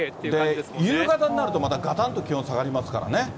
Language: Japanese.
で、夕方になると、またがたんと気温下がりますからね。